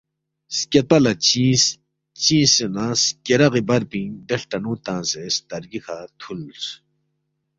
سکیدپہ لہ چِنگس، چِنگسے نہ سکیرَغی بر پِنگ دے ہلٹنُو تنگسے سترگی کھہ تھُولس